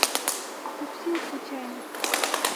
Сәпсим слущяйны.